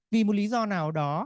vì một lý do nào đó